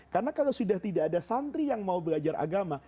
karena kalau sudah tidak ada santri yang mau belajar agama